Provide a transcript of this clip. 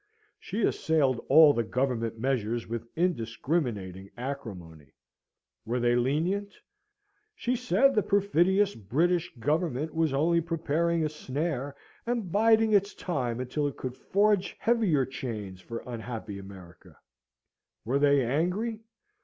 She assailed all the Government measures with indiscriminating acrimony. Were they lenient? She said the perfidious British Government was only preparing a snare, and biding its time until it could forge heavier chains for unhappy America. Were they angry?